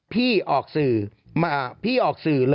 พี่ออกสื่อ